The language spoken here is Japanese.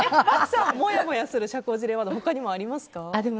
漠さんはもやもやする社交辞令ワードありますか？